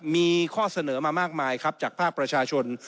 มีข้อเสนอมามากมายครับจากภาคประชาชน